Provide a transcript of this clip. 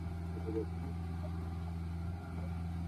সেটার জন্য বেশ বড় অঙ্কের দাম হাঁকানো যাবে।